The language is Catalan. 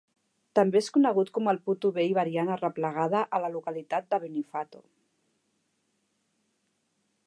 També és conegut com el Puto vell variant arreplegada a la localitat de Benifato.